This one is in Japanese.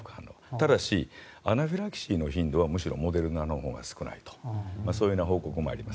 ただしアナフィラキシーの頻度はむしろモデルナのほうが少ないとそういう報告もあります。